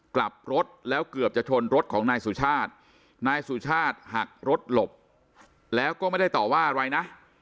กลับรถแล้วเกือบจะชนรถของนายสุชาตินายสุชาติหักรถหลบแล้วก็ไม่ได้ต่อว่าอะไรนะ